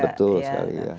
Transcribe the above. betul sekali ya